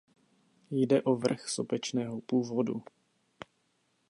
Jde o vrch sopečného původu.